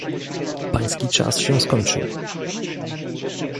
Pański czas się skończył